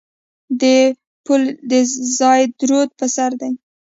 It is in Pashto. دا پل د زاینده رود پر سر دی.